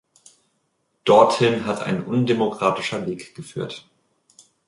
Dorthin hat ein undemokratischer Weg geführt.